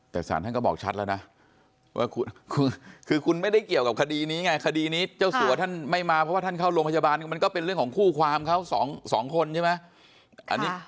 แต่สารท่านก็บอกชัดแล้วนะว่าคือคุณไม่ได้เกี่ยวกับคดีนี้ไงคดีนี้เจ้าสัวท่านไม่มาเพราะว่าท่านเข้าโรงพยาบาลมันก็เป็นเรื่องของคู่ความเขาสองคนใช่ไหม